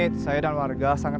di dekat rumah saya